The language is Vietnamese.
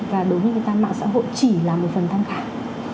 và đối với người ta mạng xã hội chỉ là một phần tham khảo